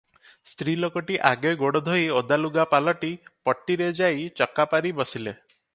ସ୍ତ୍ରୀ ଲୋକଟି ଆଗେ ଗୋଡ଼ଧୋଇ ଓଦାଲୁଗା ପାଲଟି ପଟିରେ ଯାଇ ଚକାପାରି ବସିଲେ ।